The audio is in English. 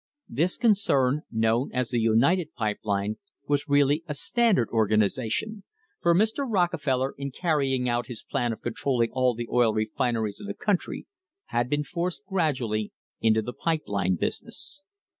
This concern, known as the United Pipe Line, was really a Standard organisation, for Mr. Rocke feller, in carrying out his plan of controlling all the oil refin eries of the country, had been forced gradually into the pipe line business.